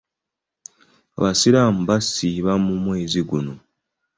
Abasiraamu basiiba mu mwezi guno.